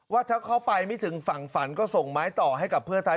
ว่าถ้าเขาไปไม่ถึงฝั่งฝันก็ส่งไม้ต่อให้กับเพื่อไทย